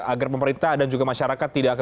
agar pemerintah dan juga masyarakat tidak akan